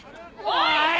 おい！